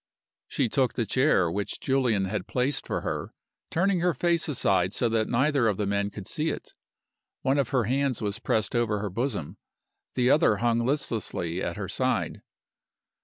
She took the chair which Julian had placed for her, turning her face aside so that neither of the men could see it. One of her hands was pressed over her bosom, the other hung listlessly at her side.